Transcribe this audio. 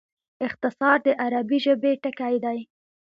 اختصار د عربي ژبي ټکی دﺉ.